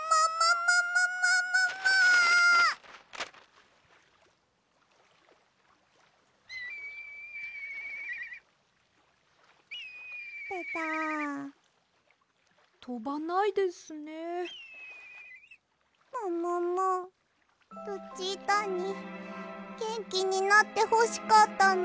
もももルチータにげんきになってほしかったのにな。